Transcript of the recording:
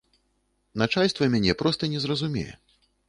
Начальства мяне проста не зразумее.